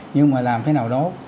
nhưng mà làm thế nào đó